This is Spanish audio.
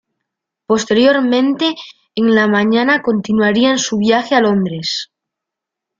Posteriormente, en la mañana continuarían su viaje a Londres.